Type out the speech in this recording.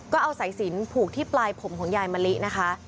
ก็เอาสายสินผูกที่ปลายผมของยายมะลินะคะ